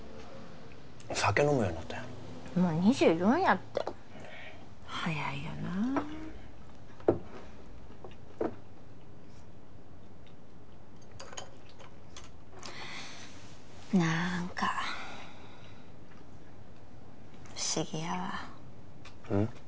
酒飲むようになったんやなもう２４やってはやいよなあなんか不思議やわうん？